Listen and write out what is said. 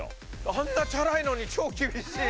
あんなチャラいのに超厳しい！